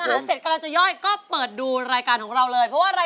ผมเป็นอาชีพเกี่ยวกับเงินท้องครับ